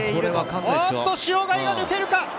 おっと塩貝が抜けるか！